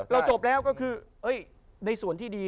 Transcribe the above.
จบแล้วก็คือในส่วนที่ดี